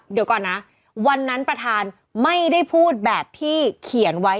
เดี๋ยวก่อนนะวันนั้นประธานไม่ได้พูดแบบที่เขียนไว้